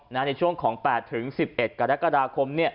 ในช่วงของ๘๑๑กรกฎาคม